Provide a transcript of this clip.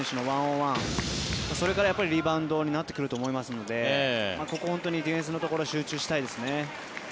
それからやっぱりリバウンドになってくると思いますのでここ、ディフェンスのところ集中したいですね。